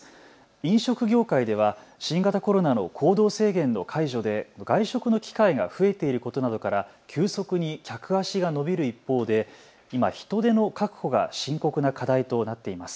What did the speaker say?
飲食業界では新型コロナの行動制限の解除で外食の機会が増えていることなどから急速に客足が伸びる一方で今、人手の確保が深刻な課題となっています。